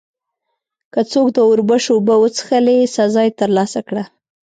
که څوک د اوربشو اوبه وڅښلې، سزا یې ترلاسه کړه.